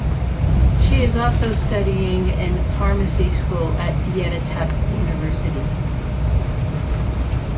She is also studying in Pharmacy School at Yeditepe University.